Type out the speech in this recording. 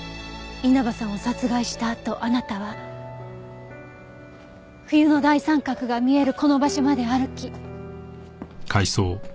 稲葉さんを殺害したあとあなたは冬の大三角が見えるこの場所まで歩き。